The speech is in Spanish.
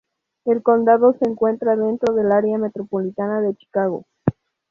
El condado se encuentra dentro del área metropolitana de Chicago.